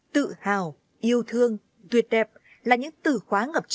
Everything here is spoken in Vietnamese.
tự hào yêu thương tuyệt đẹp là những từ khóa ngập trời